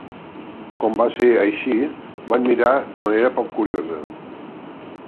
Com va ser així, van mirar de manera poc curiosa.